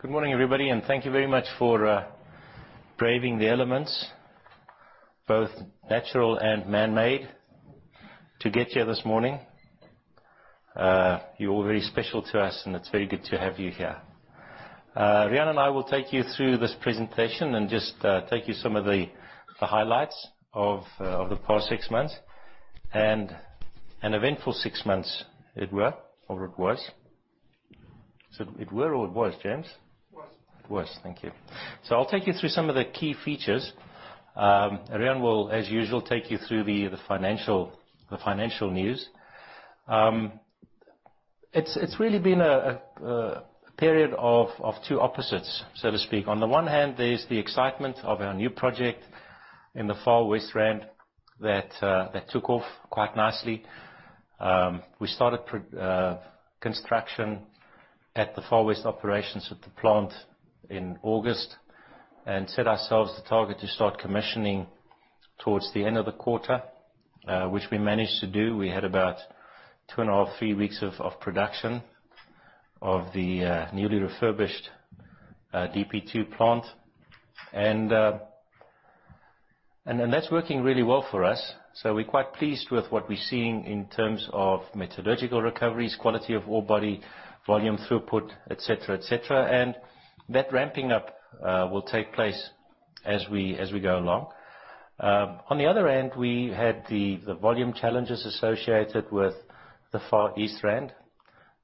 Good morning, everybody. Thank you very much for braving the elements, both natural and man-made, to get here this morning. You're all very special to us, and it's very good to have you here. Riaan and I will take you through this presentation and just take you some of the highlights of the past six months, and an eventful six months it were or it was. Is it it were or it was, James? It was. It was. Thank you. I'll take you through some of the key features. Riaan will, as usual, take you through the financial news. It's really been a period of two opposites, so to speak. On the one hand, there's the excitement of our new project in the Far West Rand that took off quite nicely. We started construction at the Far West operations with the plant in August and set ourselves the target to start commissioning towards the end of the quarter, which we managed to do. We had about two and a half, three weeks of production of the newly refurbished DP2 plant. That's working really well for us, so we're quite pleased with what we're seeing in terms of metallurgical recoveries, quality of ore body, volume throughput, et cetera. That ramping up will take place as we go along. On the other end, we had the volume challenges associated with the Far East Rand.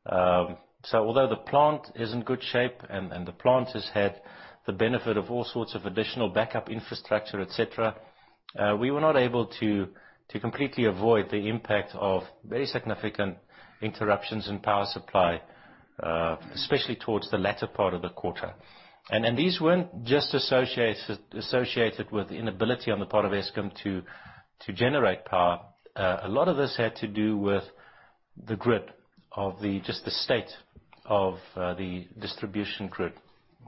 Although the plant is in good shape and the plant has had the benefit of all sorts of additional backup infrastructure, et cetera, we were not able to completely avoid the impact of very significant interruptions in power supply, especially towards the latter part of the quarter. These weren't just associated with the inability on the part of Eskom to generate power. A lot of this had to do with the grid, of just the state of the distribution grid,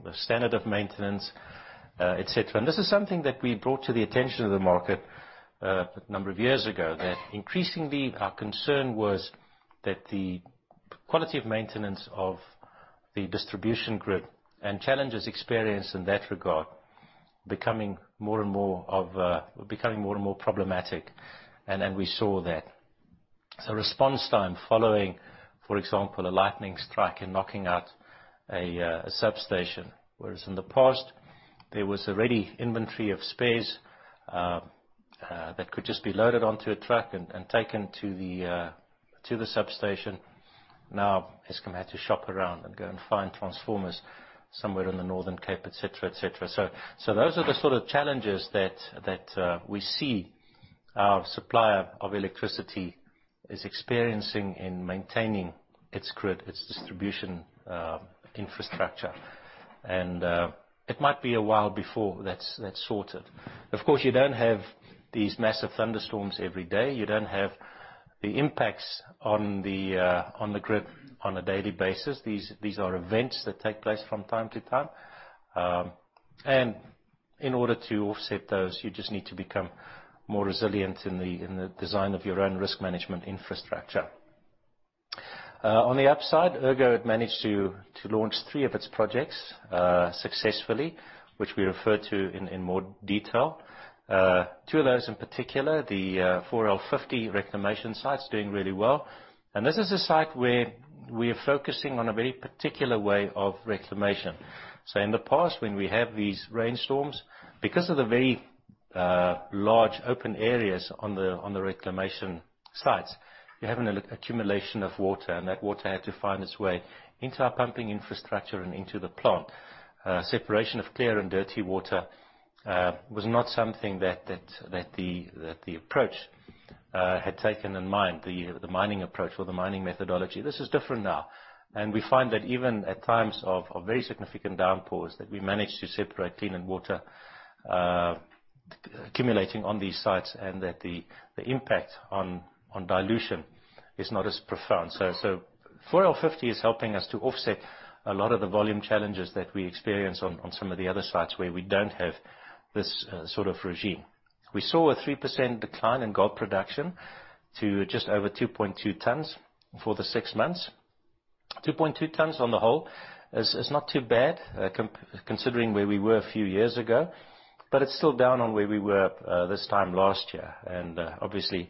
the standard of maintenance, et cetera. This is something that we brought to the attention of the market a number of years ago, that increasingly our concern was that the quality of maintenance of the distribution grid and challenges experienced in that regard were becoming more and more problematic. We saw that. Response time following, for example, a lightning strike and knocking out a substation, whereas in the past there was already inventory of spares that could just be loaded onto a truck and taken to the substation. Now, Eskom had to shop around and go and find transformers somewhere in the Northern Cape, et cetera. Those are the sort of challenges that we see our supplier of electricity is experiencing in maintaining its grid, its distribution infrastructure. It might be a while before that's sorted. Of course, you don't have these massive thunderstorms every day. You don't have the impacts on the grid on a daily basis. These are events that take place from time to time. In order to offset those, you just need to become more resilient in the design of your own risk management infrastructure. On the upside, Ergo had managed to launch three of its projects successfully, which we refer to in more detail. Two of those in particular, the 4L50 reclamation site's doing really well. This is a site where we are focusing on a very particular way of reclamation. In the past, when we have these rainstorms, because of the very large open areas on the reclamation sites, you have an accumulation of water, and that water had to find its way into our pumping infrastructure and into the plant. Separation of clear and dirty water was not something that the approach had taken in mind, the mining approach or the mining methodology. This is different now, and we find that even at times of very significant downpours, that we manage to separate clean and water accumulating on these sites and that the impact on dilution is not as profound. 4L50 is helping us to offset a lot of the volume challenges that we experience on some of the other sites where we don't have this sort of regime. We saw a 3% decline in gold production to just over 2.2 tons for the six months. 2.2 tons on the whole is not too bad considering where we were a few years ago, but it's still down on where we were this time last year. Obviously,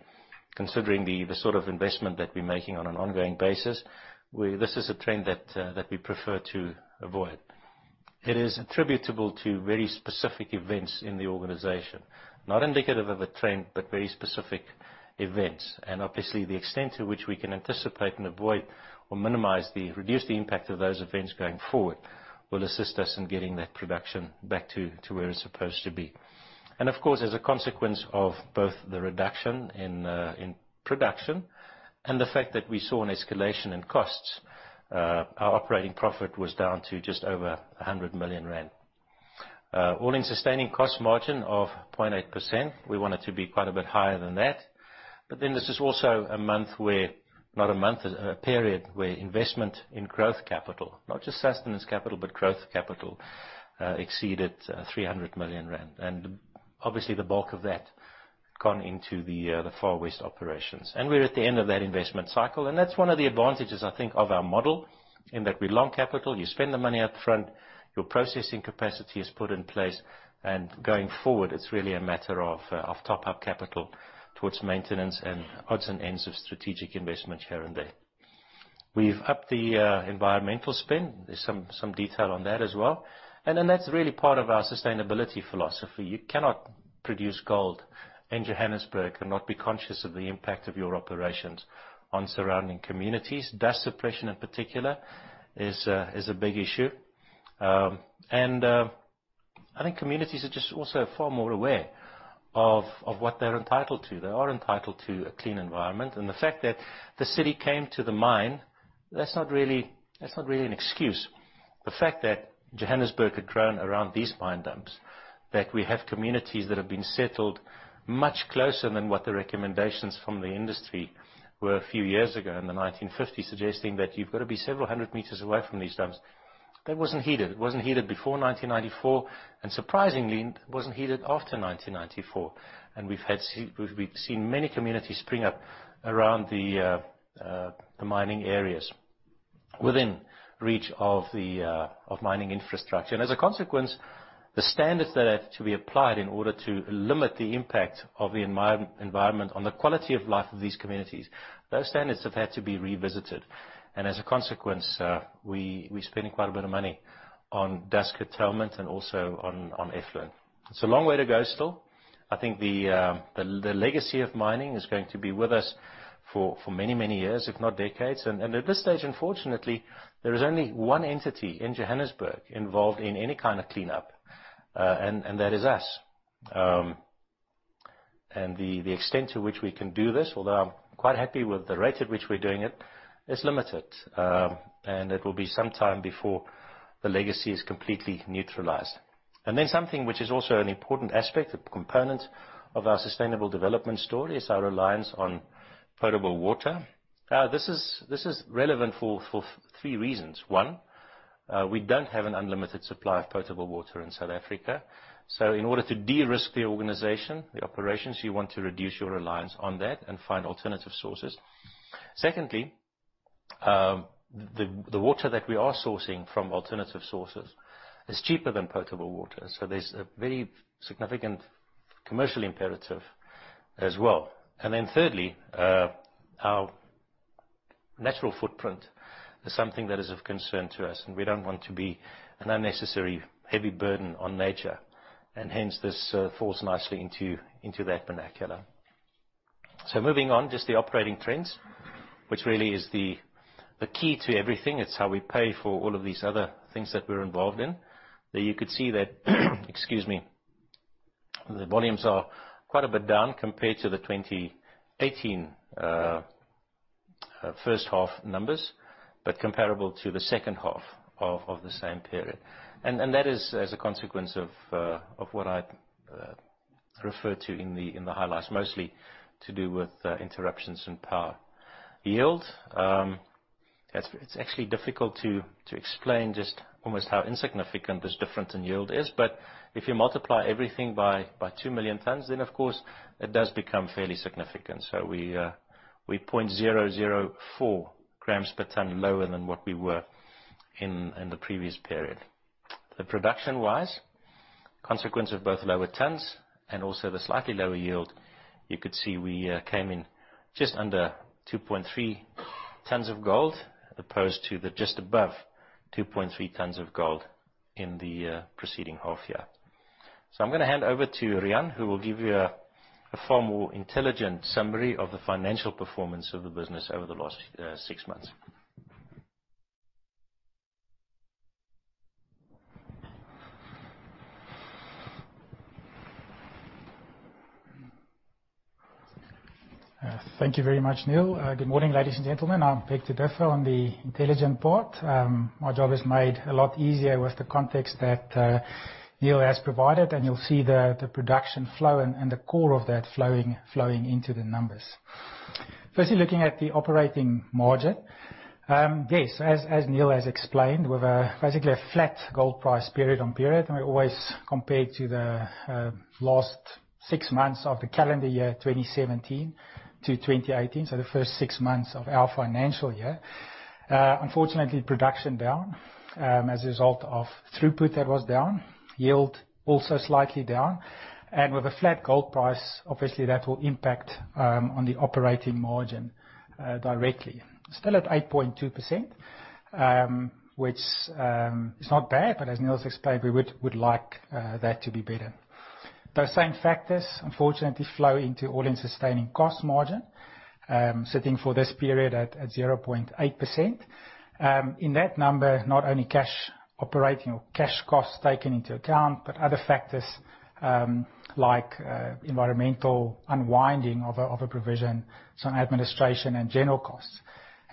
considering the sort of investment that we're making on an ongoing basis, this is a trend that we prefer to avoid. It is attributable to very specific events in the organization, not indicative of a trend, but very specific events. Obviously, the extent to which we can anticipate and avoid or minimize, reduce the impact of those events going forward will assist us in getting that production back to where it's supposed to be. Of course, as a consequence of both the reduction in production and the fact that we saw an escalation in costs, our operating profit was down to just over 100 million rand. All-in sustaining cost margin of 0.8%. We want it to be quite a bit higher than that. This is also a period where investment in growth capital, not just sustenance capital, but growth capital, exceeded 300 million rand. Obviously, the bulk of that gone into the Far West operations. We're at the end of that investment cycle, that's one of the advantages, I think, of our model, in that we loan capital, you spend the money up front, your processing capacity is put in place, going forward, it's really a matter of top-up capital towards maintenance and odds and ends of strategic investments here and there. We've upped the environmental spend. There's some detail on that as well. That's really part of our sustainability philosophy. You cannot produce gold in Johannesburg and not be conscious of the impact of your operations on surrounding communities. Dust suppression, in particular, is a big issue. I think communities are just also far more aware of what they're entitled to. They are entitled to a clean environment, the fact that the city came to the mine, that's not really an excuse. The fact that Johannesburg had grown around these mine dumps, that we have communities that have been settled much closer than what the recommendations from the industry were a few years ago in the 1950s suggesting that you've got to be several hundred meters away from these dumps. That wasn't heeded. It wasn't heeded before 1994, surprisingly, it wasn't heeded after 1994. We've seen many communities spring up around the mining areas within reach of mining infrastructure. As a consequence, the standards that have to be applied in order to limit the impact of the environment on the quality of life of these communities, those standards have had to be revisited. As a consequence, we're spending quite a bit of money on dust curtailment and also on effluent. It's a long way to go still. I think the legacy of mining is going to be with us for many, many years, if not decades. At this stage, unfortunately, there is only one entity in Johannesburg involved in any kind of cleanup, that is us. The extent to which we can do this, although I'm quite happy with the rate at which we're doing it, is limited. It will be some time before the legacy is completely neutralized. Something which is also an important aspect, a component of our sustainable development story is our reliance on potable water. This is relevant for three reasons. One, we don't have an unlimited supply of potable water in South Africa. In order to de-risk the organization, the operations, you want to reduce your reliance on that and find alternative sources. Secondly, the water that we are sourcing from alternative sources is cheaper than potable water, there's a very significant commercial imperative as well. Thirdly, our natural footprint is something that is of concern to us, we don't want to be an unnecessary heavy burden on nature, hence, this falls nicely into that vernacular. Moving on, just the operating trends, which really is the key to everything. It's how we pay for all of these other things that we're involved in. There you could see that, excuse me, the volumes are quite a bit down compared to the 2018 first half numbers, but comparable to the second half of the same period. That is as a consequence of what I referred to in the highlights, mostly to do with interruptions in power. Yield, it's actually difficult to explain just almost how insignificant this difference in yield is, but if you multiply everything by 2 million tons, then of course, it does become fairly significant. We're 0.004 grams per ton lower than what we were in the previous period. The production-wise, consequence of both lower tons and also the slightly lower yield, you could see we came in just under 2.3 tons of gold as opposed to the just above 2.3 tons of gold in the preceding half year. I'm going to hand over to Riaan, who will give you a far more intelligent summary of the financial performance of the business over the last six months. Thank you very much, Niël. Good morning, ladies and gentlemen. I'll take it therefore on the intelligent part. My job is made a lot easier with the context that Niël has provided, and you'll see the production flow and the core of that flowing into the numbers. Firstly, looking at the operating margin. Yes, as Niël has explained, with basically a flat gold price period on period, and we always compare to the last six months of the calendar year 2017-2018, the first six months of our financial year. Unfortunately, production down, as a result of throughput that was down, yield also slightly down. With a flat gold price, obviously that will impact on the operating margin directly. Still at 8.2%, which is not bad, but as Niël's explained, we would like that to be better. Those same factors unfortunately, flow into all-in sustaining cost margin, sitting for this period at 0.8%. In that number, not only cash operating or cash costs taken into account, but other factors like environmental unwinding of a provision, some administration, and general costs.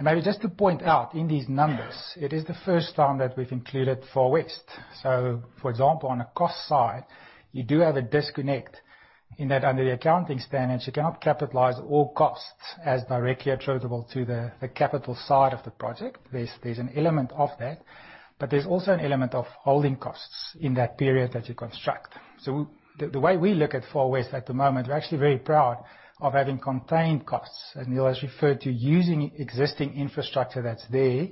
Maybe just to point out in these numbers, it is the first time that we've included Far West. For example, on a cost side, you do have a disconnect in that under the accounting standards, you cannot capitalize all costs as directly attributable to the capital side of the project. There's an element of that, but there's also an element of holding costs in that period that you construct. The way we look at Far West at the moment, we're actually very proud of having contained costs, and Niël has referred to using existing infrastructure that's there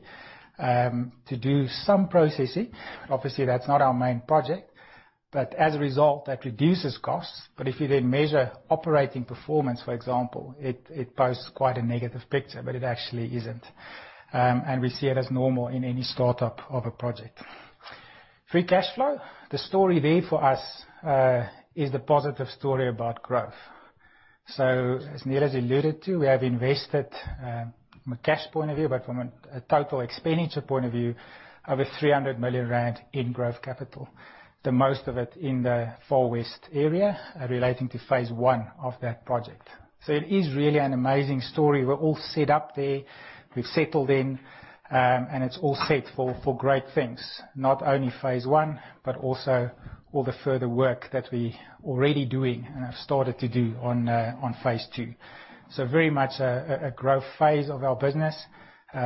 to do some processing. Obviously, that's not our main project, but as a result, that reduces costs. If you then measure operating performance, for example, it posts quite a negative picture, but it actually isn't. We see it as normal in any startup of a project. Free cash flow. The story there for us is the positive story about growth. As Niël has alluded to, we have invested from a cash point of view, but from a total expenditure point of view, over 300 million rand in growth capital, the most of it in the Far West area relating to phase 1 of that project. It is really an amazing story. We're all set up there. We've settled in, and it's all set for great things. Not only phase I, but also all the further work that we're already doing and have started to do on phase II. Very much a growth phase of our business,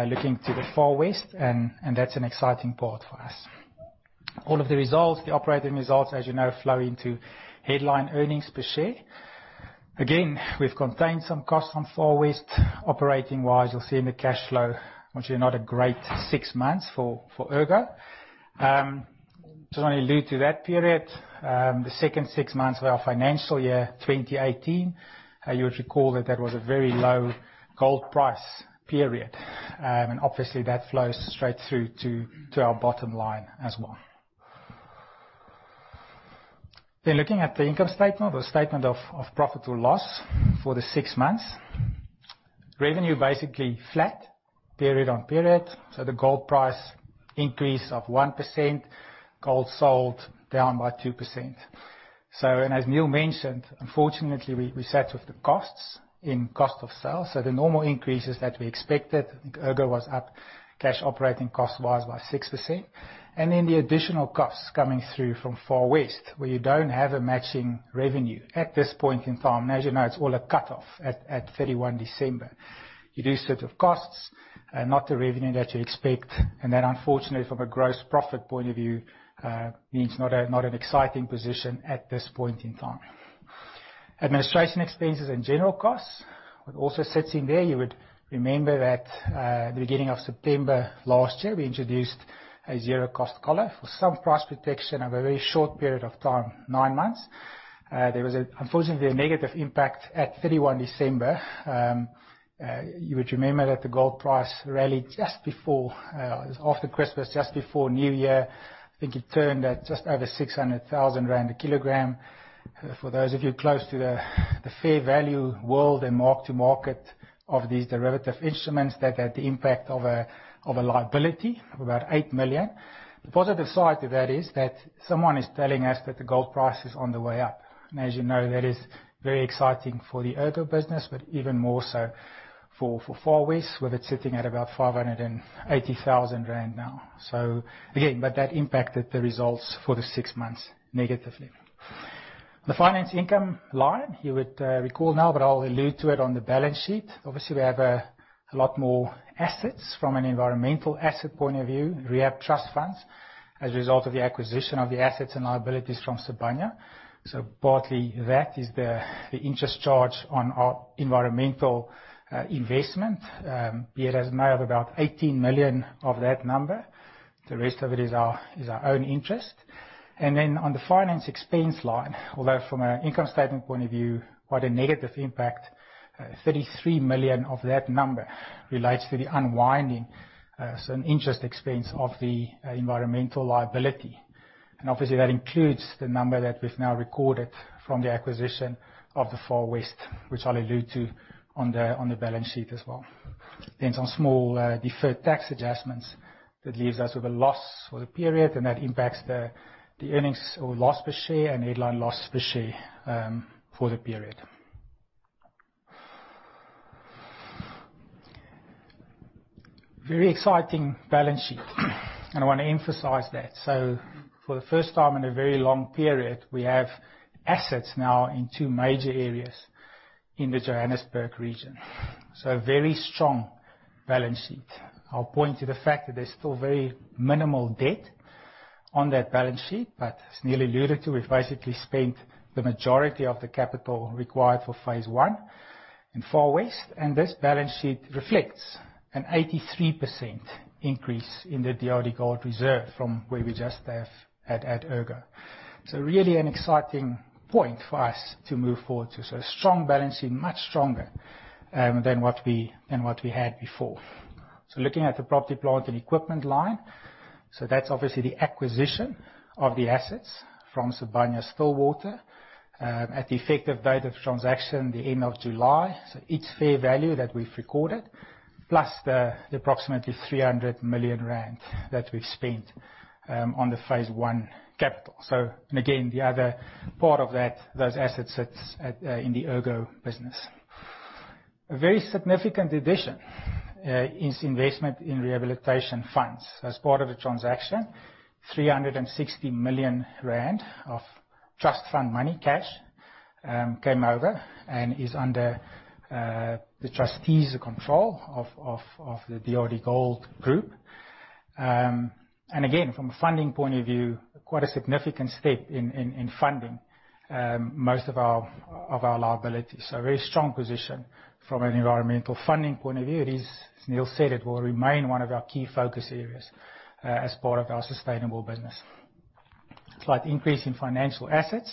looking to the Far West, and that's an exciting part for us. All of the results, the operating results, as you know, flow into headline earnings per share. Again, we've contained some costs from Far West operating-wise. You'll see in the cash flow, actually not a great six months for Ergo. Just want to allude to that period, the second six months of our financial year, 2018. You would recall that that was a very low gold price period. Obviously that flows straight through to our bottom line as well. Looking at the income statement or statement of profit or loss for the six months. Revenue basically flat period on period. The gold price increase of 1%, gold sold down by 2%. As Niël mentioned, unfortunately, we're sat with the costs in cost of sales. The normal increases that we expected, I think Ergo was up cash operating cost-wise by 6%. The additional costs coming through from Far West, where you don't have a matching revenue at this point in time. As you know, it's all a cut-off at 31 December. You do set of costs and not the revenue that you expect, and that unfortunately from a gross profit point of view, means not an exciting position at this point in time. Administration expenses and general costs. What also sits in there, you would remember that, at the beginning of September last year, we introduced a zero cost collar for some price protection over a very short period of time, nine months. There was unfortunately a negative impact at 31 December. You would remember that the gold price rallied just before, it was after Christmas, just before New Year. I think it turned at just over 600,00 rand a kilogram. For those of you close to the fair value world and mark to market of these derivative instruments that had the impact of a liability of about 8 million. The positive side to that is that someone is telling us that the gold price is on the way up. As you know, that is very exciting for the Ergo business, but even more so for Far West, with it sitting at about 580,000 rand now. Again, that impacted the results for the six months negatively. The finance income line, you would recall now, but I'll allude to it on the balance sheet. Obviously, we have a lot more assets from an environmental asset point of view. We have trust funds as a result of the acquisition of the assets and liabilities from Sibanye. Partly that is the interest charge on our environmental investment. Be it as may of about 18 million of that number. The rest of it is our own interest. On the finance expense line, although from an income statement point of view, quite a negative impact, 33 million of that number relates to the unwinding. An interest expense of the environmental liability. Obviously, that includes the number that we've now recorded from the acquisition of the Far West, which I'll allude to on the balance sheet as well. Some small deferred tax adjustments that leaves us with a loss for the period, that impacts the earnings or loss per share and headline loss per share for the period. Very exciting balance sheet, I want to emphasize that. For the first time in a very long period, we have assets now in two major areas in the Johannesburg region. A very strong balance sheet. I will point to the fact that there is still very minimal debt on that balance sheet, but as Niël alluded to, we have basically spent the majority of the capital required for phase I in Far West, and this balance sheet reflects an 83% increase in the DRDGOLD reserve from where we just have at Ergo. Really an exciting point for us to move forward to. Strong balance sheet, much stronger than what we had before. Looking at the property, plant, and equipment line. That is obviously the acquisition of the assets from Sibanye-Stillwater, at the effective date of transaction, the end of July. Each fair value that we have recorded, plus the approximately 300 million rand that we have spent on the phase 1 capital. Again, the other part of those assets sits in the Ergo business. A very significant addition is investment in rehabilitation funds. As part of the transaction, 360 million rand of trust fund money, cash, came over and is under the trustees control of the DRDGOLD group. Again, from a funding point of view, quite a significant step in funding most of our liabilities. A very strong position from an environmental funding point of view. It is, as Niël said, it will remain one of our key focus areas as part of our sustainable business. Slight increase in financial assets.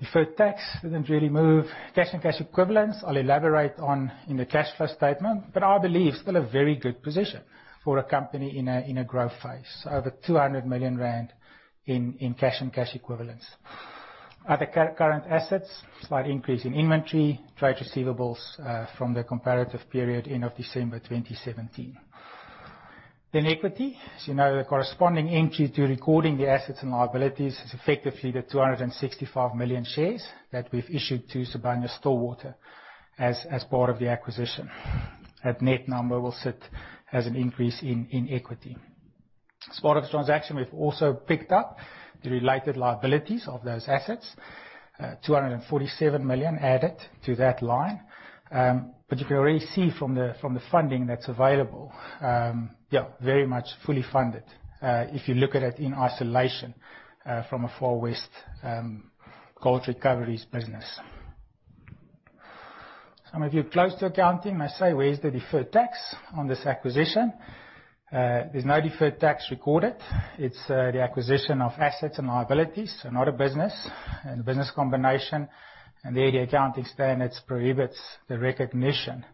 Deferred tax didn't really move. Cash and cash equivalents, I will elaborate on in the cash flow statement, but I believe still a very good position for a company in a growth phase. Over 200 million rand in cash and cash equivalents. Other current assets, slight increase in inventory, trade receivables from the comparative period end of December 2017. Equity. As you know, the corresponding increase to recording the assets and liabilities is effectively the 265 million shares that we have issued to Sibanye-Stillwater as part of the acquisition. That net number will sit as an increase in equity. As part of the transaction, we have also picked up the related liabilities of those assets. 247 million added to that line. You can already see from the funding that is available, very much fully funded, if you look at it in isolation from a Far West Gold Recoveries business. Some of you close to accounting may say, "Where is the deferred tax on this acquisition?" There is no deferred tax recorded. It is the acquisition of assets and liabilities. Not a business and business combination, and there the accounting standards prohibits the recognition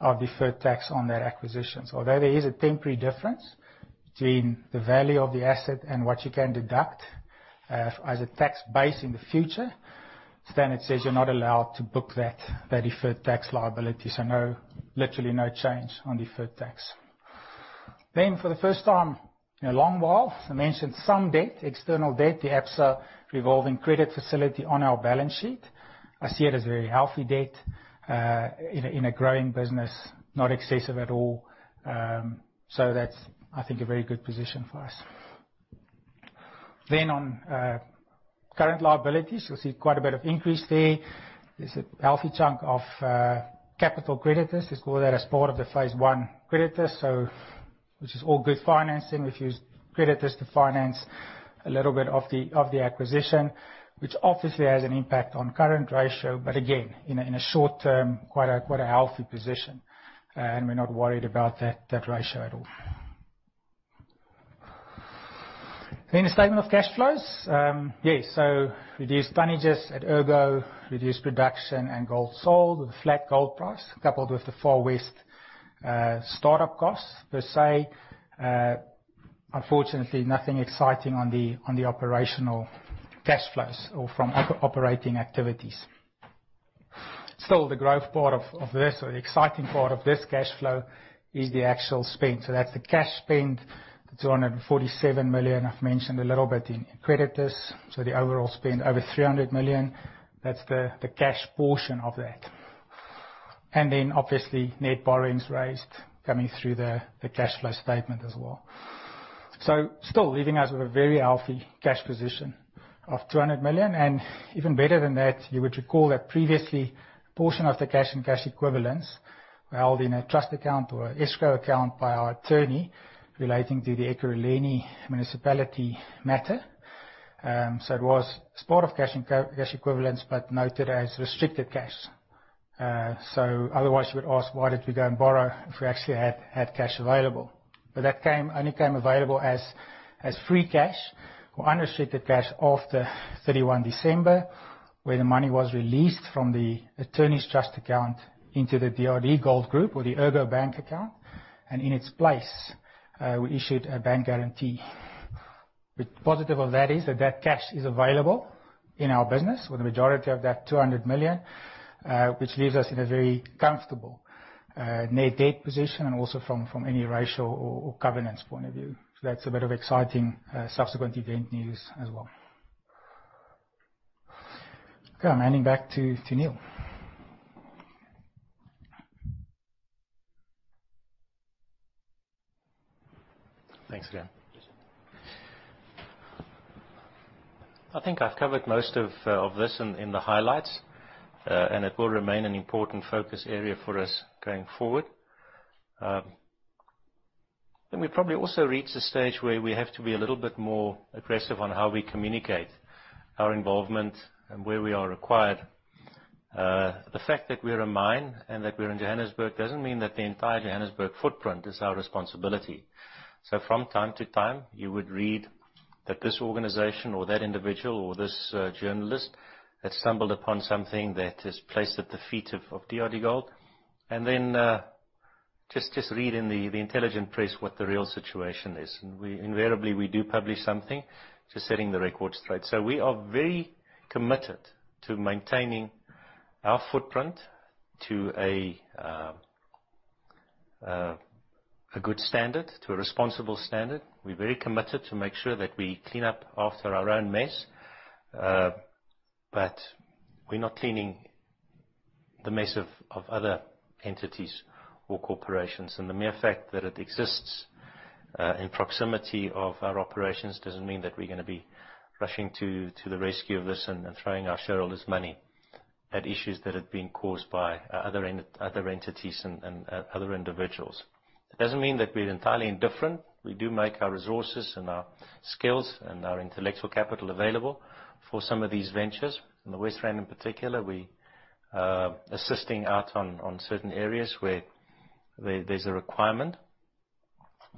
of deferred tax on that acquisition. Although there is a temporary difference between the value of the asset and what you can deduct as a tax base in the future, standard says you are not allowed to book that deferred tax liability. Literally no change on deferred tax. For the first time in a long while, I mentioned some debt, external debt, the Absa revolving credit facility on our balance sheet. I see it as very healthy debt in a growing business, not excessive at all. That is, I think, a very good position for us. On current liabilities, you'll see quite a bit of increase there. There's a healthy chunk of capital creditors, let's call that, as part of the phase 1 creditors. Which is all good financing. We've used creditors to finance a little bit of the acquisition, which obviously has an impact on current ratio, but again, in a short term, quite a healthy position, and we're not worried about that ratio at all. The statement of cash flows. Reduced tonnages at Ergo, reduced production and gold sold with a flat gold price coupled with the Far West startup costs per se. Unfortunately, nothing exciting on the operational cash flows or from operating activities. The growth part of this or the exciting part of this cash flow is the actual spend. That's the cash spend, the 247 million I've mentioned a little bit in creditors. The overall spend over 300 million, that's the cash portion of that. Obviously net borrowings raised coming through the cash flow statement as well. Still leaving us with a very healthy cash position of 200 million and even better than that, you would recall that previously, portion of the cash and cash equivalents were held in a trust account or an escrow account by our attorney relating to the City of Ekurhuleni Metropolitan Municipality matter. It was part of cash equivalents, but noted as restricted cash. Otherwise you would ask, why did we go and borrow if we actually had cash available? That only came available as free cash or unrestricted cash after 31 December, where the money was released from the attorney's trust account into the DRDGOLD group or the Ergo Bank account, and in its place, we issued a bank guarantee. The positive of that is that cash is available in our business with the majority of that 200 million, which leaves us in a very comfortable net debt position and also from any ratio or governance point of view. That's a bit of exciting subsequent event news as well. Okay. I'm handing back to Niël. Thanks, Riaan I think I've covered most of this in the highlights, it will remain an important focus area for us going forward. We probably also reach the stage where we have to be a little bit more aggressive on how we communicate our involvement and where we are required. The fact that we're a mine and that we're in Johannesburg doesn't mean that the entire Johannesburg footprint is our responsibility. From time to time, you would read that this organization or that individual or this journalist had stumbled upon something that is placed at the feet of DRDGOLD, and then just read in the intelligent press what the real situation is. Invariably, we do publish something just setting the record straight. We are very committed to maintaining our footprint to a good standard, to a responsible standard. We're very committed to make sure that we clean up after our own mess. We're not cleaning the mess of other entities or corporations. The mere fact that it exists in proximity of our operations doesn't mean that we're going to be rushing to the rescue of this and throwing our shareholders' money at issues that have been caused by other entities and other individuals. It doesn't mean that we're entirely indifferent. We do make our resources and our skills and our intellectual capital available for some of these ventures. In the West Rand in particular, we are assisting out on certain areas where there's a requirement.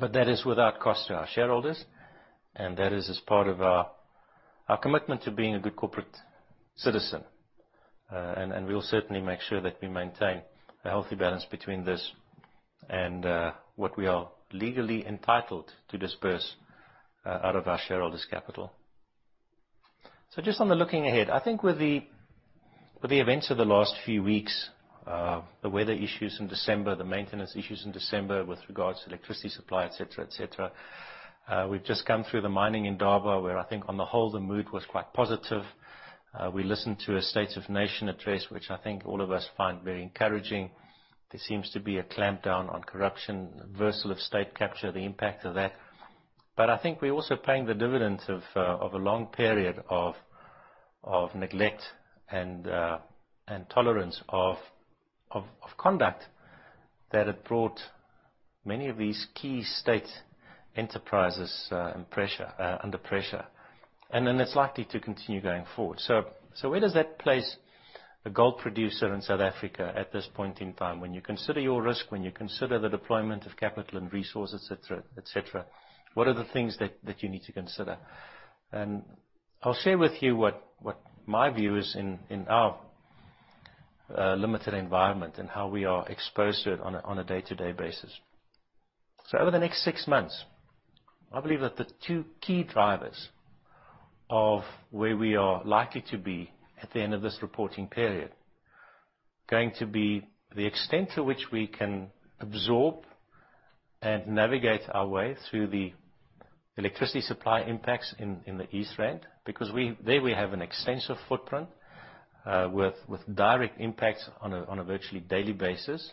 That is without cost to our shareholders, and that is as part of our commitment to being a good corporate citizen. We'll certainly make sure that we maintain a healthy balance between this and what we are legally entitled to disperse out of our shareholders' capital. Just on the looking ahead, I think with the events of the last few weeks, the weather issues in December, the maintenance issues in December with regards to electricity supply, et cetera. We've just come through the Mining Indaba, where I think on the whole, the mood was quite positive. We listened to a State of the Nation Address, which I think all of us find very encouraging. There seems to be a clampdown on corruption, reversal of state capture, the impact of that. I think we're also paying the dividends of a long period of neglect and tolerance of conduct that had brought many of these key state enterprises under pressure. It's likely to continue going forward. Where does that place a gold producer in South Africa at this point in time when you consider your risk, when you consider the deployment of capital and resource, et cetera? What are the things that you need to consider? I'll share with you what my view is in our limited environment and how we are exposed to it on a day-to-day basis. Over the next six months, I believe that the two key drivers of where we are likely to be at the end of this reporting period are going to be the extent to which we can absorb and navigate our way through the electricity supply impacts in the East Rand, because there we have an extensive footprint, with direct impacts on a virtually daily basis.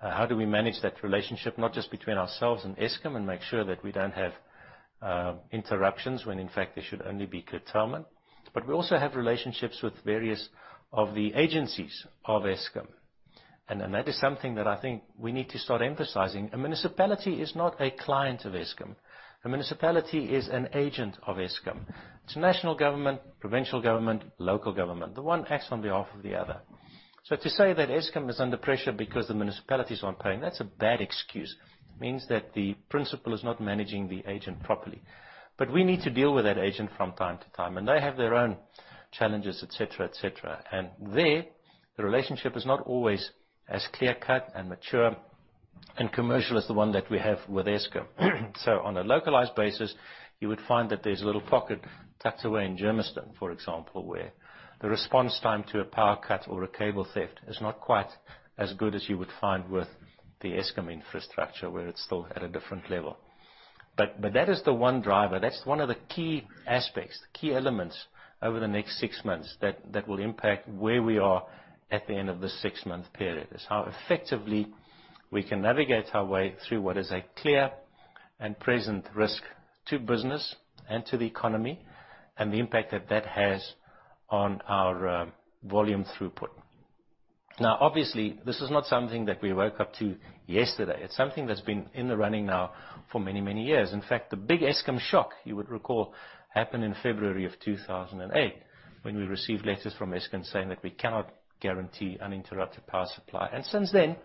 How do we manage that relationship, not just between ourselves and Eskom and make sure that we don't have interruptions when in fact there should only be curtailment? We also have relationships with various of the agencies of Eskom. That is something that I think we need to start emphasizing. A municipality is not a client of Eskom. A municipality is an agent of Eskom. It's national government, provincial government, local government. The one acts on behalf of the other. To say that Eskom is under pressure because the municipalities aren't paying, that's a bad excuse. It means that the principal is not managing the agent properly. We need to deal with that agent from time to time, and they have their own challenges, et cetera. There, the relationship is not always as clear-cut and mature and commercial as the one that we have with Eskom. On a localized basis, you would find that there's a little pocket tucked away in Germiston, for example, where the response time to a power cut or a cable theft is not quite as good as you would find with the Eskom infrastructure, where it's still at a different level. That is the one driver. That's one of the key aspects, the key elements over the next six months that will impact where we are at the end of this six-month period, is how effectively we can navigate our way through what is a clear and present risk to business and to the economy and the impact that that has on our volume throughput. Obviously, this is not something that we woke up to yesterday. It's something that's been in the running now for many, many years. In fact, the big Eskom shock, you would recall, happened in February of 2008 when we received letters from Eskom saying that we cannot guarantee uninterrupted power supply. Since then,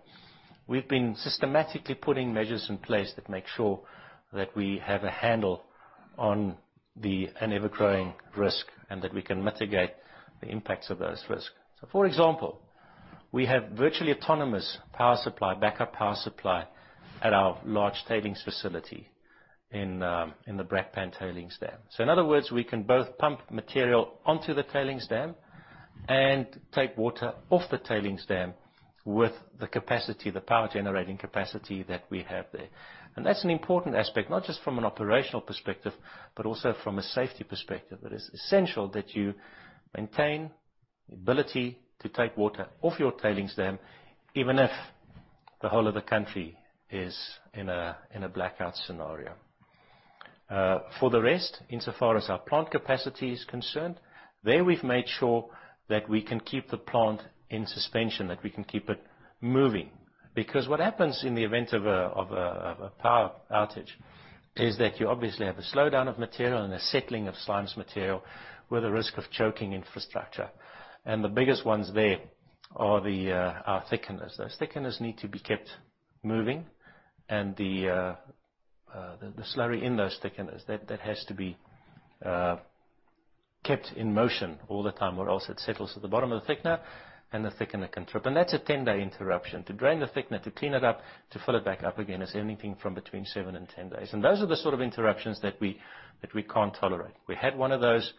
we've been systematically putting measures in place that make sure that we have a handle on an ever-growing risk and that we can mitigate the impacts of those risks. For example, we have virtually autonomous power supply, backup power supply at our large tailings facility in the Brakpan tailings dam. In other words, we can both pump material onto the tailings dam and take water off the tailings dam with the capacity, the power-generating capacity that we have there. That's an important aspect, not just from an operational perspective, but also from a safety perspective. It is essential that you maintain the ability to take water off your tailings dam, even if the whole of the country is in a blackout scenario. Insofar as our plant capacity is concerned, there we've made sure that we can keep the plant in suspension, that we can keep it moving. What happens in the event of a power outage is that you obviously have a slowdown of material and a settling of slimes material with a risk of choking infrastructure. The biggest ones there are our thickeners. Those thickeners need to be kept moving and the slurry in those thickeners, that has to be kept in motion all the time or else it settles at the bottom of the thickener and the thickener can trip. That's a 10-day interruption. To drain the thickener, to clean it up, to fill it back up again is anything from between seven and 10 days. Those are the sort of interruptions that we can't tolerate. We had one of those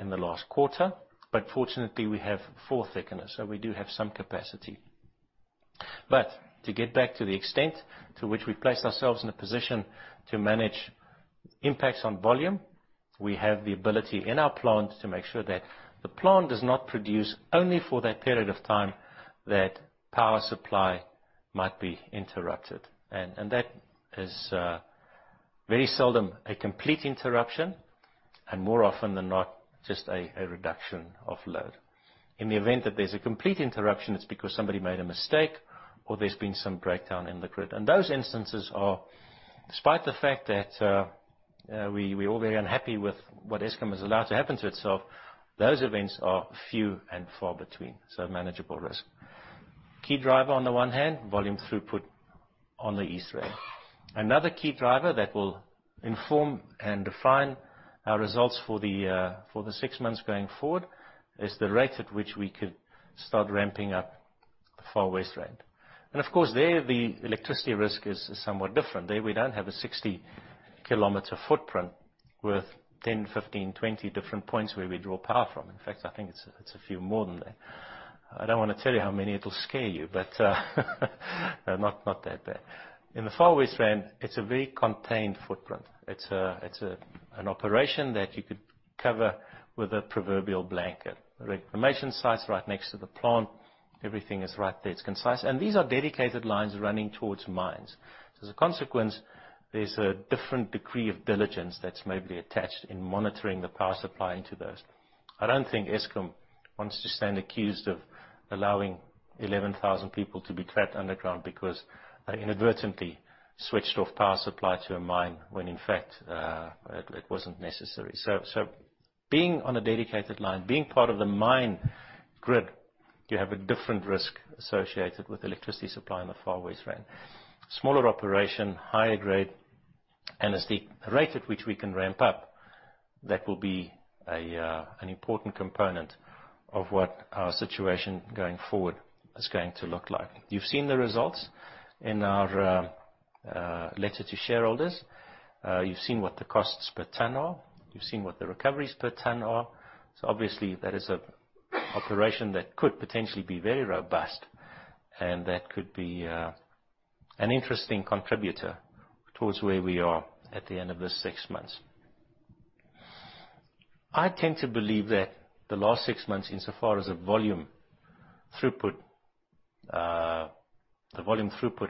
in the last quarter, fortunately, we have four thickeners, so we do have some capacity. To get back to the extent to which we've placed ourselves in a position to manage impacts on volume, we have the ability in our plant to make sure that the plant does not produce only for that period of time that power supply might be interrupted. That is very seldom a complete interruption, more often than not, just a reduction of load. In the event that there's a complete interruption, it's because somebody made a mistake or there's been some breakdown in the grid. Those instances are despite the fact that we're all very unhappy with what Eskom has allowed to happen to itself. Those events are few and far between, manageable risk. Key driver on the one hand, volume throughput on the East Rand. Another key driver that will inform and define our results for the six months going forward is the rate at which we could start ramping up the Far West Rand. Of course, there, the electricity risk is somewhat different. There we don't have a 60 km footprint with 10, 15, 20 different points where we draw power from. In fact, I think it's a few more than that. I don't want to tell you how many it will scare you, not that bad. In the Far West Rand, it's a very contained footprint. It's an operation that you could cover with a proverbial blanket. Reclamation site's right next to the plant. Everything is right there. It's concise. These are dedicated lines running towards mines. As a consequence, there's a different degree of diligence that's maybe attached in monitoring the power supply into those. I don't think Eskom wants to stand accused of allowing 11,000 people to be trapped underground because they inadvertently switched off power supply to a mine when in fact, it wasn't necessary. Being on a dedicated line, being part of the mine grid, you have a different risk associated with electricity supply in the Far West Rand. Smaller operation, higher grade, it's the rate at which we can ramp up that will be an important component of what our situation going forward is going to look like. You've seen the results in our letter to shareholders. You've seen what the costs per ton are. You've seen what the recoveries per ton are. Obviously, that is an operation that could potentially be very robust, and that could be an interesting contributor towards where we are at the end of this six months. I tend to believe that the last six months, insofar as the volume throughput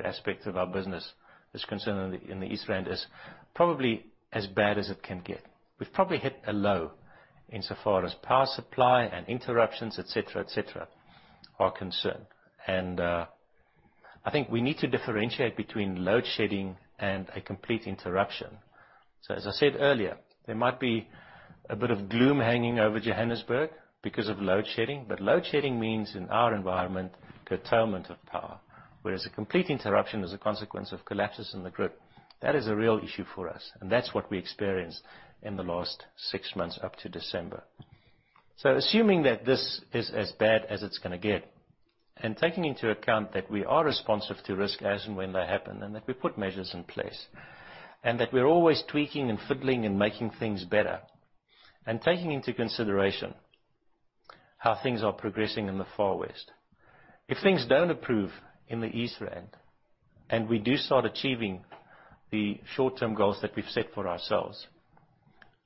aspect of our business is concerned in the East Rand, is probably as bad as it can get. We've probably hit a low insofar as power supply and interruptions, et cetera, are concerned. I think we need to differentiate between load shedding and a complete interruption. As I said earlier, there might be a bit of gloom hanging over Johannesburg because of load shedding, but load shedding means in our environment, curtailment of power. Whereas a complete interruption is a consequence of collapses in the grid. That is a real issue for us, and that's what we experienced in the last six months up to December. Assuming that this is as bad as it's going to get, and taking into account that we are responsive to risk as and when they happen, and that we put measures in place, and that we're always tweaking and fiddling and making things better, and taking into consideration how things are progressing in the Far West. If things don't improve in the East Rand, and we do start achieving the short-term goals that we've set for ourselves,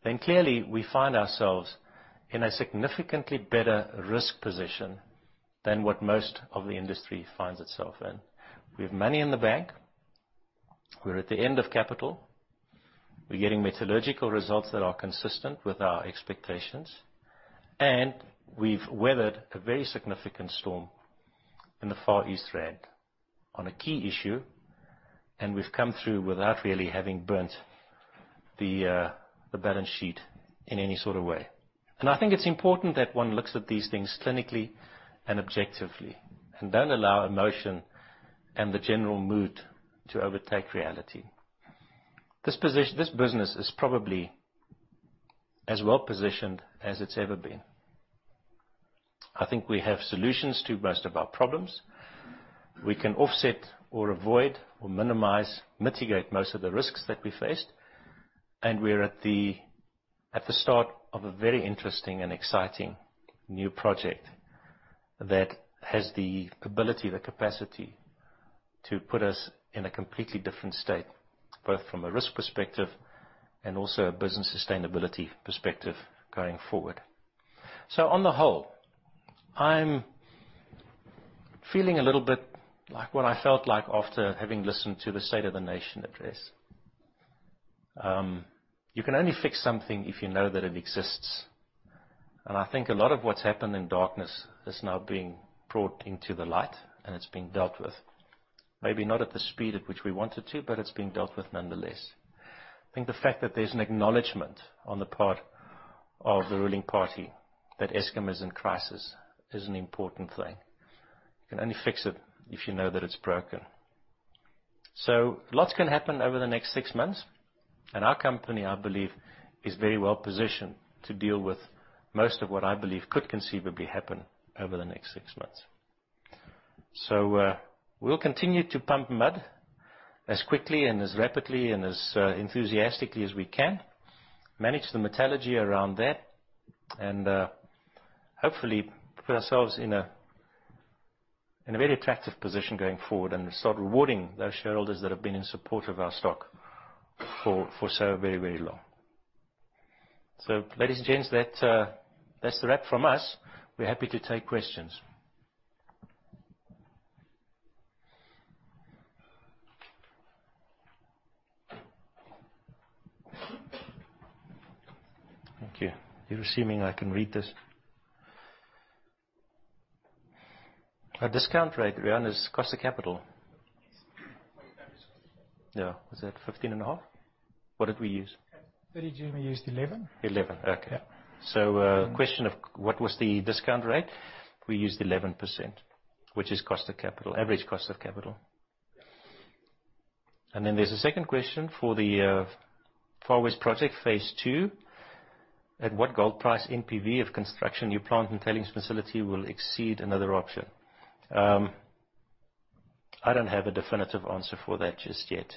then clearly, we find ourselves in a significantly better risk position than what most of the industry finds itself in. We have money in the bank. We're at the end of capital. We're getting metallurgical results that are consistent with our expectations. We've weathered a very significant storm in the Far East Rand on a key issue, and we've come through without really having burnt the balance sheet in any sort of way. I think it's important that one looks at these things clinically and objectively and don't allow emotion and the general mood to overtake reality. This business is probably as well-positioned as it's ever been. I think we have solutions to most of our problems. We can offset or avoid or minimize, mitigate most of the risks that we faced. We're at the start of a very interesting and exciting new project that has the ability, the capacity to put us in a completely different state, both from a risk perspective and also a business sustainability perspective going forward. On the whole, I'm feeling a little bit like what I felt like after having listened to the State of the Nation Address. You can only fix something if you know that it exists. I think a lot of what's happened in darkness is now being brought into the light, and it's being dealt with. Maybe not at the speed at which we wanted to, but it's being dealt with nonetheless. I think the fact that there's an acknowledgment on the part of the ruling party that Eskom is in crisis is an important thing. You can only fix it if you know that it's broken. Lots can happen over the next six months, and our company, I believe, is very well-positioned to deal with most of what I believe could conceivably happen over the next six months. We'll continue to pump mud as quickly and as rapidly and as enthusiastically as we can, manage the metallurgy around that, and hopefully put ourselves in a very attractive position going forward and start rewarding those shareholders that have been in support of our stock for so very long. Ladies and gents, that's the wrap from us. We're happy to take questions. Thank you. You're assuming I can read this? Our discount rate, Riaan, is cost of capital. Yes. Yeah. Was that 15.5? What did we use? Billy Jimmy used 11. 11. Okay. Yeah. Question of what was the discount rate? We used 11%, which is average cost of capital. Yeah. There's a second question for the Far West Project Phase 2. At what gold price NPV of construction your plant and tailings facility will exceed another option? I don't have a definitive answer for that just yet.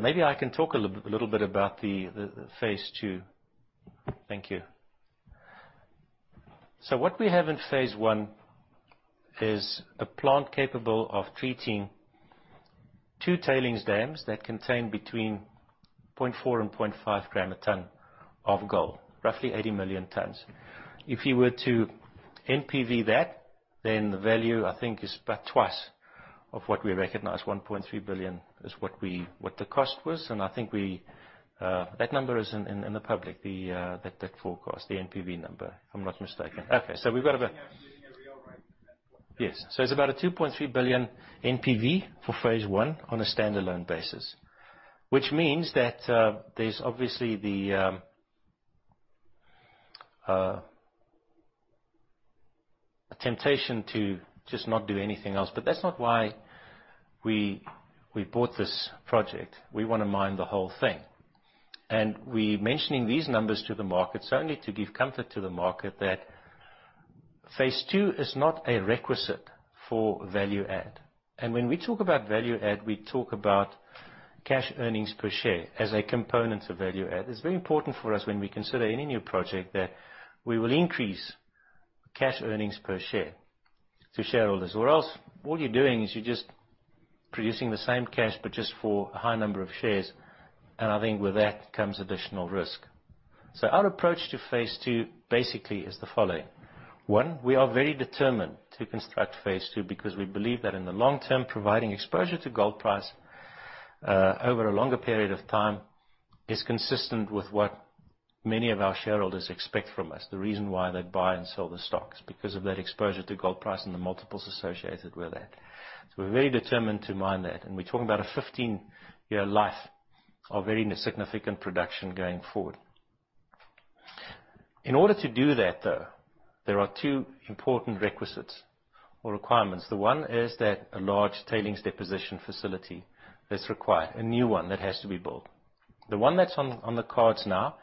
Maybe I can talk a little bit about the phase II. Thank you. What we have in phase I is a plant capable of treating two tailings dams that contain between 0.4 g and 0.5 grams a ton of gold, roughly 80 million tons. If you were to NPV that, then the value, I think, is about twice of what we recognize. 1.3 billion is what the cost was. I think that number is in the public, that forecast, the NPV number, if I'm not mistaken. We've got about- Yes. It's about a 2.3 billion NPV for phase I on a standalone basis, which means that there's obviously the temptation to just not do anything else. That's not why we bought this project. We want to mine the whole thing. We're mentioning these numbers to the market, certainly to give comfort to the market that phase II is not a requisite for value add. When we talk about value add, we talk about cash earnings per share as a component of value add. It's very important for us when we consider any new project that we will increase cash earnings per share to shareholders. All you're doing is you're just producing the same cash, but just for a high number of shares. I think with that comes additional risk. Our approach to phase II basically is the following. One, we are very determined to construct phase II because we believe that in the long term, providing exposure to gold price over a longer period of time is consistent with what many of our shareholders expect from us. The reason why they buy and sell the stocks, because of that exposure to gold price and the multiples associated with that. We're very determined to mine that, and we're talking about a 15-year life of very significant production going forward. In order to do that, though, there are two important requisites or requirements. The one is that a large tailings deposition facility is required, a new one that has to be built. The one that's on the cards now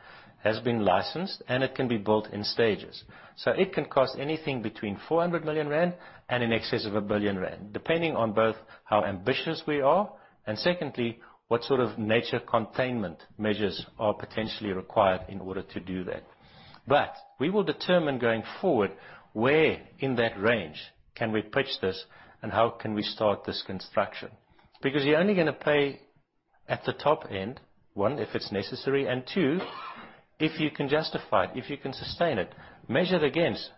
has been licensed, and it can be built in stages. It can cost anything between 400 million rand and in excess of 1 billion rand, depending on both how ambitious we are, and secondly, what sort of nature containment measures are potentially required in order to do that. We will determine going forward where in that range can we pitch this and how can we start this construction? Because you're only gonna pay at the top end, one, if it's necessary, and two, if you can justify it, if you can sustain it. Measure it against,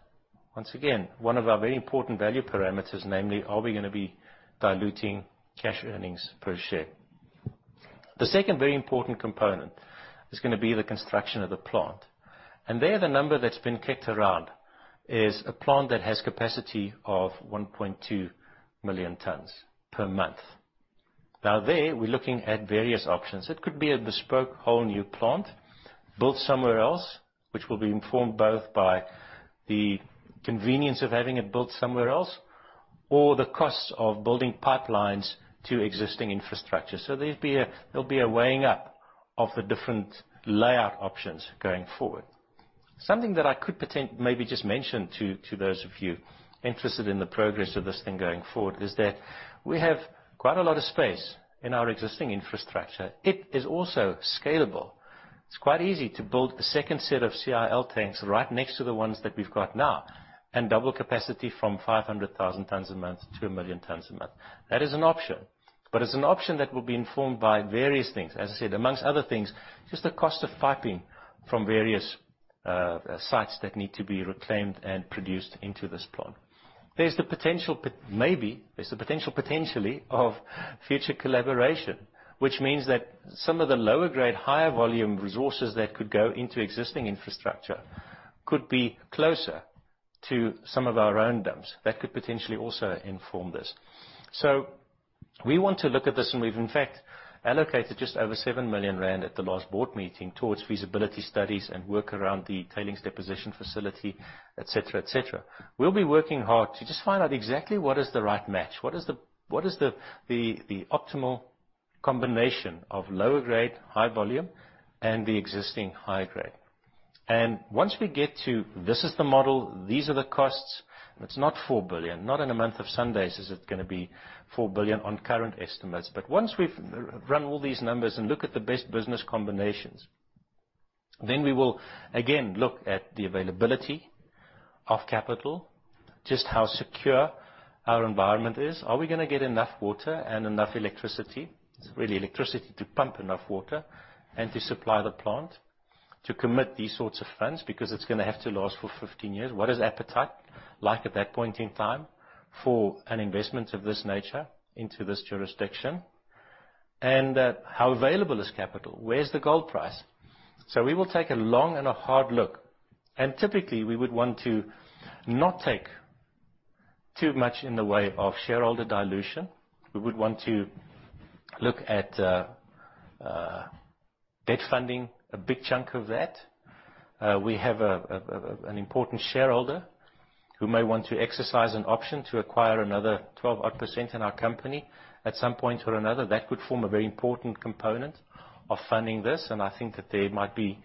once again, one of our very important value parameters, namely, are we gonna be diluting cash earnings per share? The second very important component is gonna be the construction of the plant. There, the number that's been kicked around is a plant that has capacity of 1.2 million tons per month. There, we're looking at various options. It could be a bespoke whole new plant built somewhere else, which will be informed both by the convenience of having it built somewhere else or the cost of building pipelines to existing infrastructure. There'll be a weighing up of the different layout options going forward. Something that I could maybe just mention to those of you interested in the progress of this thing going forward is that we have quite a lot of space in our existing infrastructure. It is also scalable. It's quite easy to build a second set of CIL tanks right next to the ones that we've got now and double capacity from 500,000 tons a month to 1 million tons a month. That is an option. It's an option that will be informed by various things. As I said, amongst other things, just the cost of piping from various sites that need to be reclaimed and produced into this plant. There's the potential, maybe, potentially of future collaboration, which means that some of the lower grade, higher volume resources that could go into existing infrastructure could be closer to some of our own dumps. That could potentially also inform this. We want to look at this, and we've in fact allocated just over 7 million rand at the last board meeting towards feasibility studies and work around the tailings deposition facility, et cetera. We'll be working hard to just find out exactly what is the right match, what is the optimal combination of lower grade, high volume, and the existing high grade. Once we get to, this is the model, these are the costs, and it is not 4 billion, not in a month of Sundays is it going to be 4 billion on current estimates. Once we have run all these numbers and look at the best business combinations, then we will again look at the availability of capital, just how secure our environment is. Are we going to get enough water and enough electricity? It is really electricity to pump enough water and to supply the plant to commit these sorts of funds because it is going to have to last for 15 years. What is appetite like at that point in time for an investment of this nature into this jurisdiction? And how available is capital? Where is the gold price? We will take a long and a hard look, and typically, we would want to not take too much in the way of shareholder dilution. We would want to look at debt funding, a big chunk of that. We have an important shareholder who may want to exercise an option to acquire another 12% in our company. At some point or another, that could form a very important component of funding this, and I think that there might be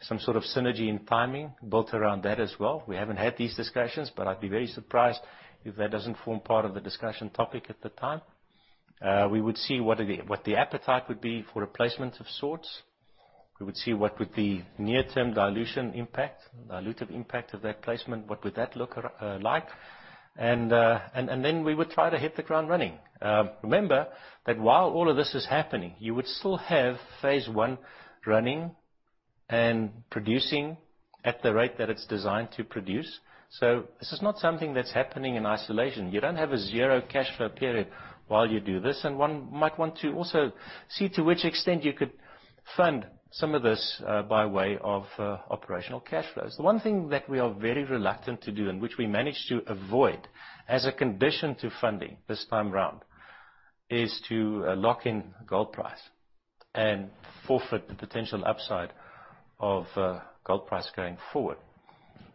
some sort of synergy in timing built around that as well. We have not had these discussions, but I would be very surprised if that does not form part of the discussion topic at the time. We would see what the appetite would be for a placement of sorts. We would see what would be near-term dilution impact, dilutive impact of that placement. What would that look like? Then we would try to hit the ground running. Remember that while all of this is happening, you would still have phase I running and producing at the rate that it is designed to produce. This is not something that is happening in isolation. You do not have a zero-cash flow period while you do this. One might want to also see to which extent you could fund some of this by way of operational cash flows. The one thing that we are very reluctant to do and which we managed to avoid as a condition to funding this time around, is to lock in gold price and forfeit the potential upside of gold price going forward.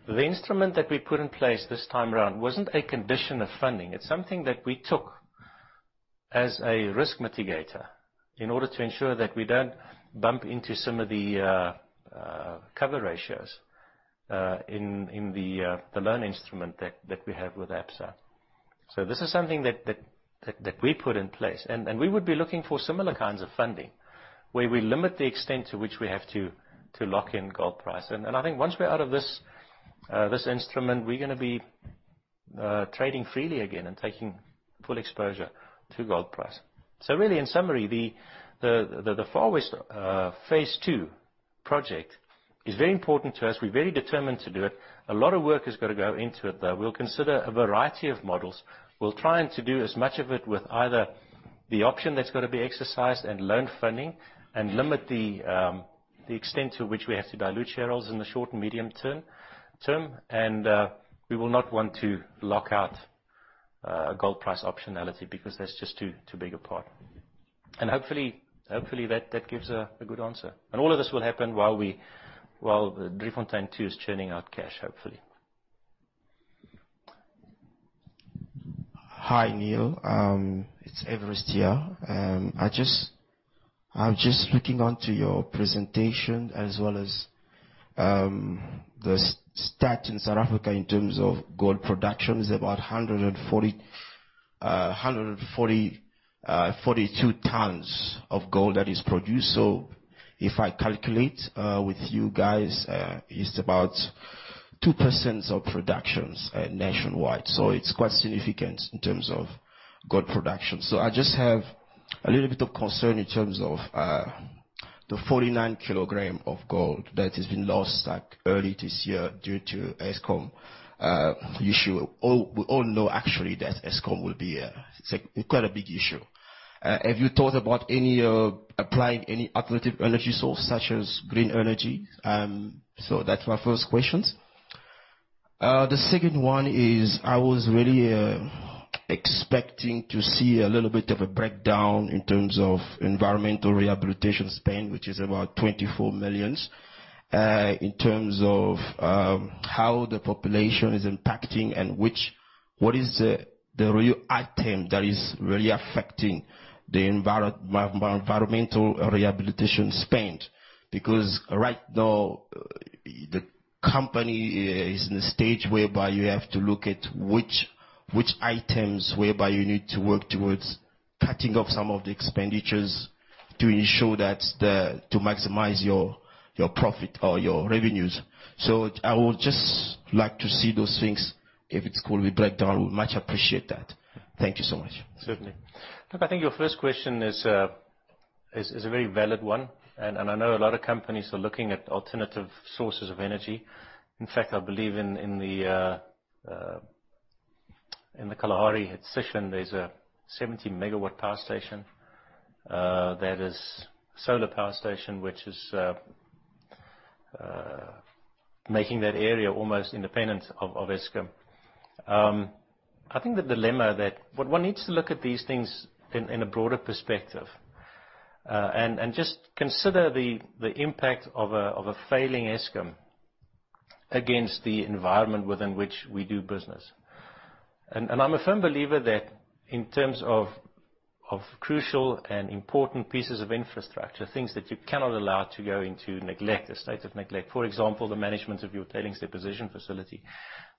The instrument that we put in place this time around was not a condition of funding. It is something that we took as a risk mitigator in order to ensure that we do not bump into some of the cover ratios in the loan instrument that we have with Absa. This is something that we put in place, and we would be looking for similar kinds of funding, where we limit the extent to which we have to lock in gold price. I think once we are out of this instrument, we are going to be trading freely again and taking full exposure to gold price. Really, in summary, the Far West phase II project is very important to us. We are very determined to do it. A lot of work has got to go into it, though. We will consider a variety of models. We're trying to do as much of it with either the option that's got to be exercised and loan funding and limit the extent to which we have to dilute shareholders in the short and medium term. We will not want to lock out a gold price optionality because that's just too big a part. Hopefully, that gives a good answer. All of this will happen while the Driefontein 2 is churning out cash, hopefully. Hi, Niël. It's Everest here. I'm just looking onto your presentation as well as the stat in South Africa in terms of gold production is about 142 tons of gold that is produced. If I calculate with you guys, it's about 2% of productions nationwide. It's quite significant in terms of gold production. I just have a little bit of concern in terms of the 49 kilogram of gold that has been lost early this year due to Eskom issue. We all know actually that Eskom will be quite a big issue. Have you thought about applying any alternative energy source such as green energy? That's my first questions. The second one is, I was really expecting to see a little bit of a breakdown in terms of environmental rehabilitation spend, which is about 24 million, in terms of how the population is impacting and what is the real item that is really affecting the environmental rehabilitation spend. Right now, the company is in a stage whereby you have to look at which items whereby you need to work towards cutting off some of the expenditures to maximize your profit or your revenues. I would just like to see those things if it's going to be breakdown. We much appreciate that. Thank you so much. Certainly. Look, I think your first question is a very valid one. I know a lot of companies are looking at alternative sources of energy. In fact, I believe in the Kalahari at Sishen, there's a 70 MW power station that is solar power station, which is making that area almost independent of Eskom. I think the dilemma that one needs to look at these things in a broader perspective and just consider the impact of a failing Eskom against the environment within which we do business. I'm a firm believer that in terms of crucial and important pieces of infrastructure, things that you cannot allow to go into neglect, a state of neglect, for example, the management of your tailings deposition facility,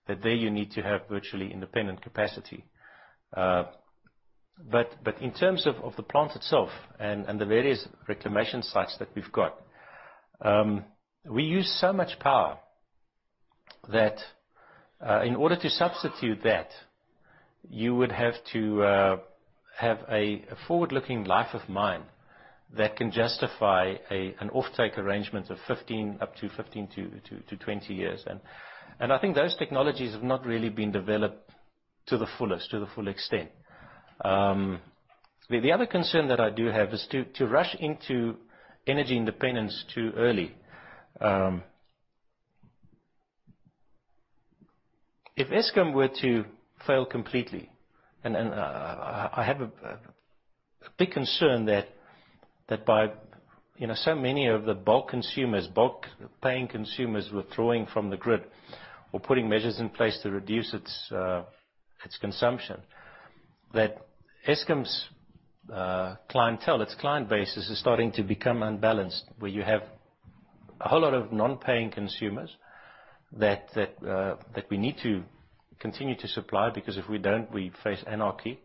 that there you need to have virtually independent capacity. In terms of the plant itself and the various reclamation sites that we've got, we use so much power that in order to substitute that, you would have to have a forward-looking life of mine that can justify an off-take arrangement of up to 15-20 years. I think those technologies have not really been developed to the full extent. The other concern that I do have is to rush into energy independence too early. If Eskom were to fail completely, and I have a big concern that by so many of the bulk paying consumers withdrawing from the grid or putting measures in place to reduce its consumption, that Eskom's clientele, its client base is starting to become unbalanced, where you have a whole lot of non-paying consumers that we need to continue to supply because if we don't, we face anarchy.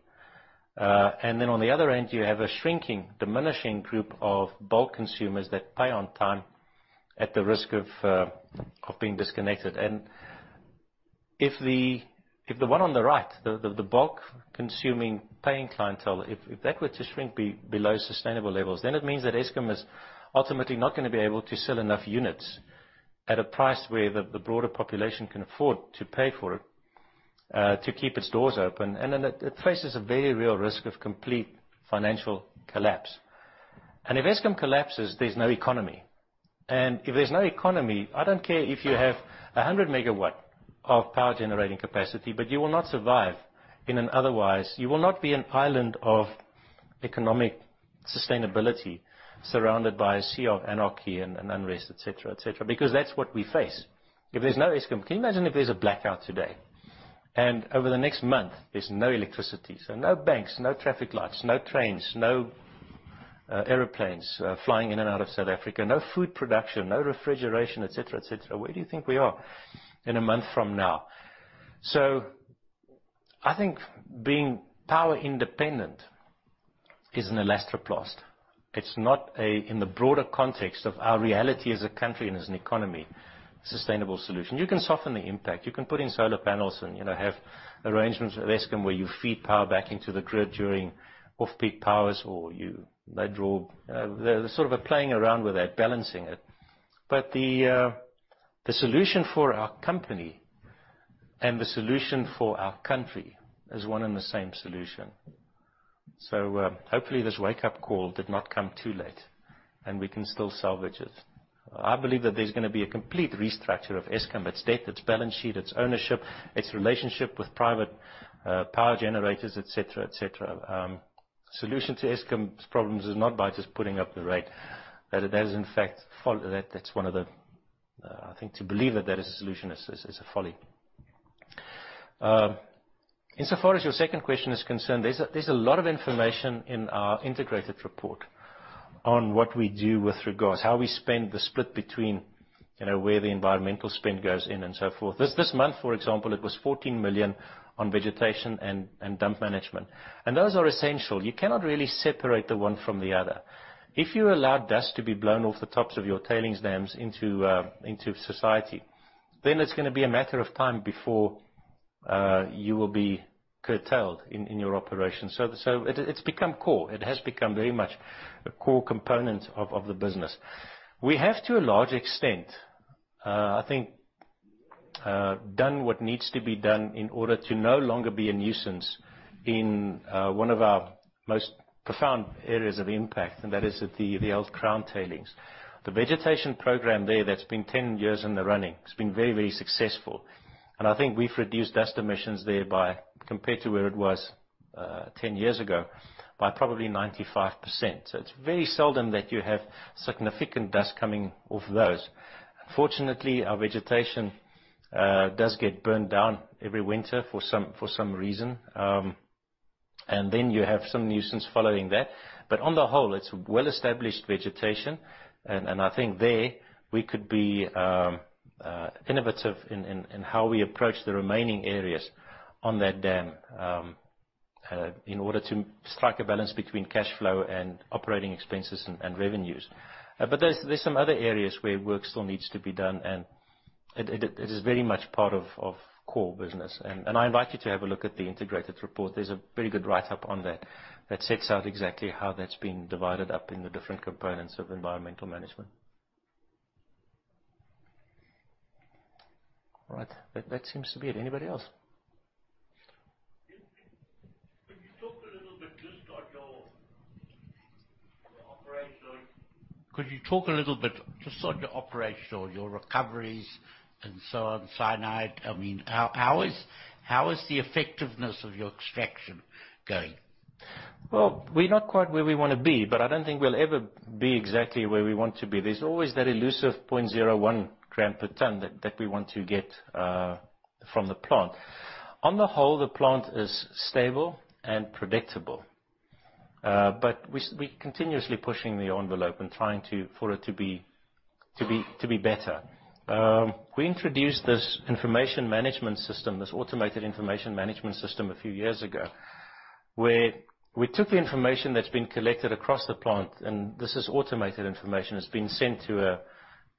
On the other end, you have a shrinking, diminishing group of bulk consumers that pay on time at the risk of being disconnected. If the one on the right, the bulk consuming, paying clientele, if that were to shrink below sustainable levels, then it means that Eskom is ultimately not going to be able to sell enough units at a price where the broader population can afford to pay for it, to keep its doors open. It faces a very real risk of complete financial collapse. If Eskom collapses, there's no economy. If there's no economy, I don't care if you have 100 MW of power generating capacity, but you will not survive in an otherwise. You will not be an island of economic sustainability surrounded by a sea of anarchy and unrest, et cetera. That's what we face. If there's no Eskom, can you imagine if there's a blackout today and over the next month there's no electricity? No banks, no traffic lights, no trains, no airplanes flying in and out of South Africa, no food production, no refrigeration, et cetera. Where do you think we are in a month from now? I think being power independent is an Elastoplast. It's not in the broader context of our reality as a country and as an economy, a sustainable solution. You can soften the impact. You can put in solar panels and have arrangements with Eskom where you feed power back into the grid during off-peak hours or they draw. There's sort of a playing around with that, balancing it. The solution for our company and the solution for our country is one and the same solution. Hopefully this wake-up call did not come too late and we can still salvage it. I believe that there's going to be a complete restructure of Eskom, its debt, its balance sheet, its ownership, its relationship with private power generators, et cetera. Solution to Eskom's problems is not by just putting up the rate. That is in fact, I think to believe that that is a solution is a folly. Insofar as your second question is concerned, there's a lot of information in our integrated report on what we do with regards, how we spend the split between where the environmental spend goes in and so forth. This month, for example, it was 14 million on vegetation and dump management. Those are essential. You cannot really separate the one from the other. If you allow dust to be blown off the tops of your tailings dams into society, then it's going to be a matter of time before you will be curtailed in your operations. It's become core. It has become very much a core component of the business. We have, to a large extent, I think, done what needs to be done in order to no longer be a nuisance in one of our most profound areas of impact, and that is at the old Crown tailings. The vegetation program there that's been 10 years in the running, it's been very successful. I think we've reduced dust emissions thereby compared to where it was 10 years ago by probably 95%. It's very seldom that you have significant dust coming off those. Unfortunately, our vegetation does get burned down every winter for some reason, then you have some nuisance following that. On the whole, it's well-established vegetation, and I think there we could be innovative in how we approach the remaining areas on that dam in order to strike a balance between cash flow and operating expenses and revenues. There's some other areas where work still needs to be done, and it is very much part of core business. I invite you to have a look at the integrated report. There's a very good write-up on that that sets out exactly how that's been divided up in the different components of environmental management. All right. That seems to be it. Anybody else? Could you talk a little bit just on your operational, your recoveries and so on, cyanide? How is the effectiveness of your extraction going? Well, we're not quite where we want to be, I don't think we'll ever be exactly where we want to be. There's always that elusive 0.01 gram per ton that we want to get from the plant. On the whole, the plant is stable and predictable. We continuously pushing the envelope and trying for it to be better. We introduced this information management system, this automated information management system a few years ago, where we took the information that's been collected across the plant, and this is automated information that's been sent to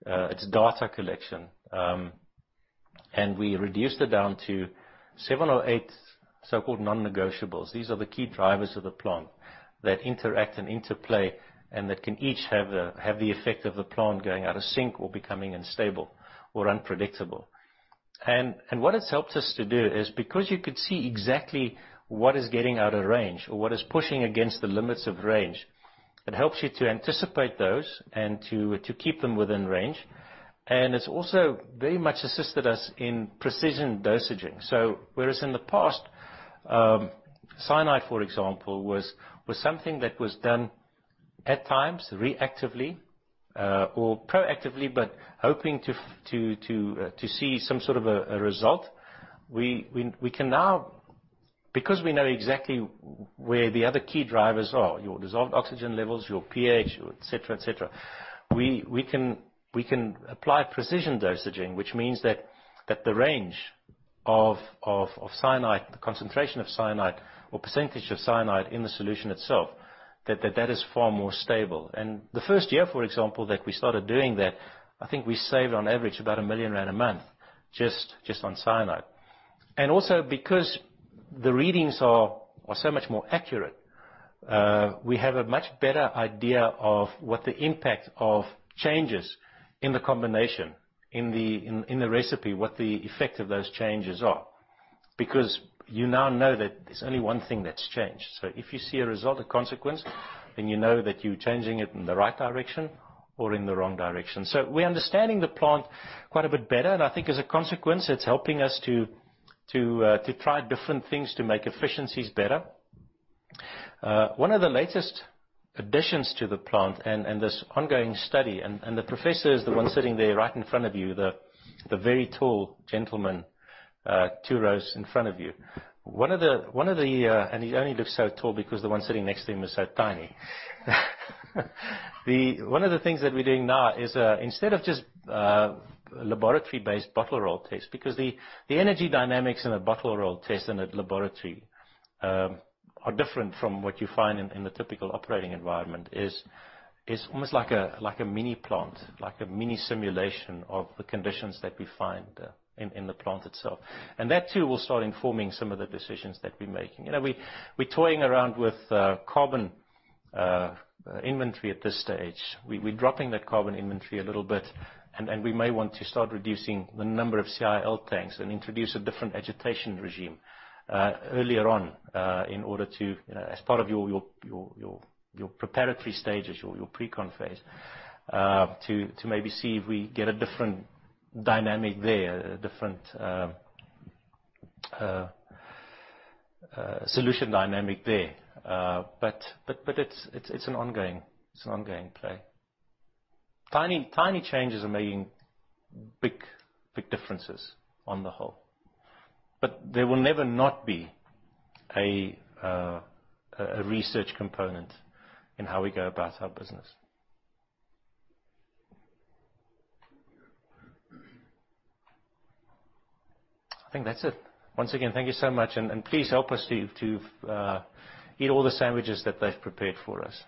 its data collection. We reduced it down to seven or eight so-called non-negotiables. These are the key drivers of the plant that interact and interplay and that can each have the effect of the plant going out of sync or becoming unstable or unpredictable. What it's helped us to do is because you could see exactly what is getting out of range or what is pushing against the limits of range, it helps you to anticipate those and to keep them within range. It's also very much assisted us in precision dosing. Whereas in the past, cyanide, for example, was something that was done at times reactively or proactively, but hoping to see some sort of a result. We can now, because we know exactly where the other key drivers are, your dissolved oxygen levels, your pH, your et cetera. We can apply precision dosing, which means that the range of cyanide, the concentration of cyanide or percentage of cyanide in the solution itself, that is far more stable. The first year, for example, that we started doing that, I think I saved on average about 1 million rand a month just on cyanide. Also, because the readings are so much more accurate, we have a much better idea of what the impact of changes in the combination, in the recipe, what the effect of those changes are. Because you now know that there's only one thing that's changed. If you see a result or consequence, then you know that you're changing it in the right direction or in the wrong direction. We're understanding the plant quite a bit better, and I think as a consequence, it's helping us to try different things to make efficiencies better. One of the latest additions to the plant and this ongoing study, and the professor is the one sitting there right in front of you, the very tall gentleman two rows in front of you. He only looks so tall because the one sitting next to him is so tiny. One of the things that we're doing now is instead of just laboratory-based bottle roll test, because the energy dynamics in a bottle roll test in a laboratory are different from what you find in the typical operating environment is almost like a mini plant. Like a mini simulation of the conditions that we find in the plant itself. That too, will start informing some of the decisions that we're making. We're toying around with carbon inventory at this stage. We're dropping that carbon inventory a little bit, we may want to start reducing the number of CIL tanks and introduce a different agitation regime earlier on in order to, as part of your preparatory stages, your pre-leach phase, to maybe see if we get a different dynamic there, a different solution dynamic there. It's an ongoing play. Tiny changes are making big differences on the whole. There will never not be a research component in how we go about our business. I think that's it. Once again, thank you so much, and please help us to eat all the sandwiches that they've prepared for us.